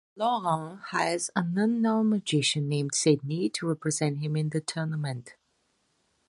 Laurent hires an unknown magician named Sydney to represent him in the tournament.